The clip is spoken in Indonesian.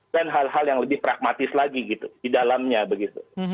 dan hal hal yang lebih pragmatis lagi gitu di dalamnya begitu